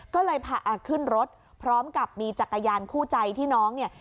ก็เลยพาขึ้นรถพร้อมกับมีจักรยานคู่ใจที่น้องเนี่ย